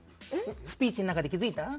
スピーチの中で気付いた？